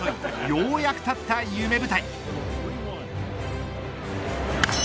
ようやく立った夢舞台。